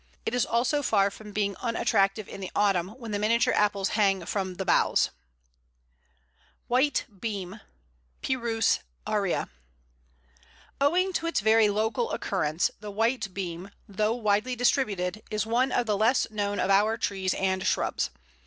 It is also far from being unattractive in the autumn, when the miniature apples hang from the boughs. [Illustration: Pl. 106. Bole of Crab, or Wild Apple.] White Beam (Pyrus aria). Owing to its very local occurrence, the White Beam, though widely distributed, is one of the less known of our trees and shrubs.